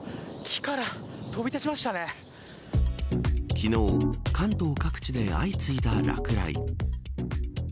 昨日関東各地で相次いだ落雷。